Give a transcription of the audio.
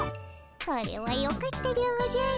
それはよかったでおじゃる。